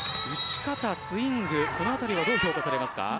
打ち方、スイングこの辺りはどう評価されますか？